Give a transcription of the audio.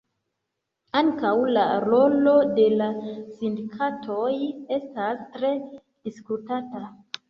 Ankaŭ la rolo de la sindikatoj estas tre diskutata.